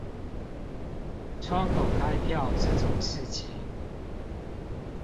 窗口開票這種事情